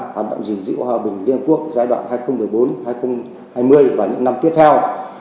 hoạt động gìn giữ hòa bình liên hợp quốc giai đoạn hai nghìn một mươi bốn hai nghìn hai mươi và những năm tiếp theo